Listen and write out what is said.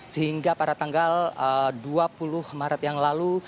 sehingga pada tanggal dua puluh maret yang lalu